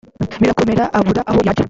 birakomera abura aho yajya